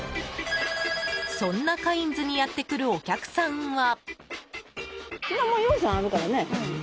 そんなカインズにやってくるお客さんは。